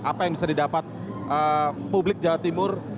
apa yang bisa didapat publik jawa timur